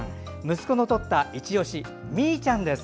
息子の撮ったいちオシみーちゃんです。